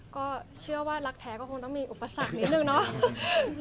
ก็เชื่อว่ารักแท้ก็คงต้องมีอุปสรรคนิดนึงเนาะ